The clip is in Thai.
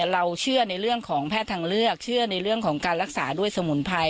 เราเชื่อในเรื่องของแพทย์ทางเลือกเชื่อในเรื่องของการรักษาด้วยสมุนไพร